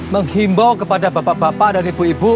menghimbau kepada bapak bapak dan ibu ibu